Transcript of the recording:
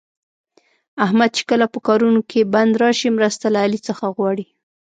احمد چې کله په کارونو کې بند راشي، مرسته له علي څخه غواړي.